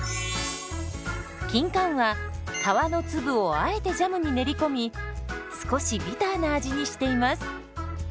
キンカンは皮の粒をあえてジャムに練り込み少しビターな味にしています。